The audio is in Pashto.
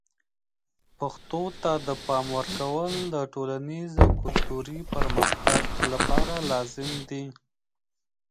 پښتو ته د پام ورکول د ټولنیز او کلتوري پرمختګ لپاره لازم دي.